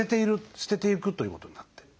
捨てていくということになってる。